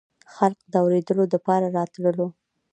خلق د اورېدو دپاره راتللو